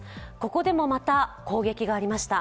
ここでもまた攻撃がありました。